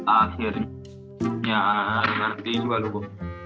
akhirnya ngertiin juga lo bu